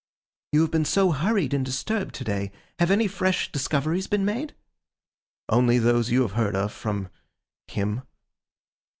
'You have been so hurried and disturbed to day. Have any fresh discoveries been made?' 'Only those you have heard of, from—him.